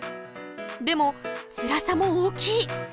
でもつらさも大きい！